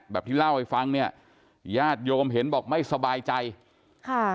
ที่เล่าให้ฟังเนี่ยญาติโยมเห็นบอกไม่สบายใจค่ะ